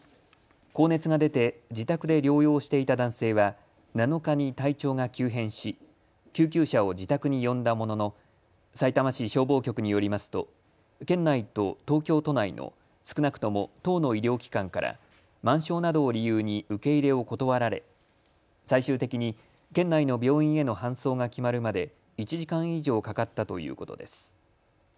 高熱が出て自宅で療養していた男性は７日に体調が急変し救急車を自宅に呼んだもののさいたま市消防局によりますと県内と東京都内の少なくとも１０の医療機関から満床などを理由に受け入れを断られ最終的に県内の病院への搬送が決まるまで１時間以上かかったということです。